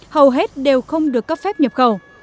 hầu hết đều không được cấp phép nhập khẩu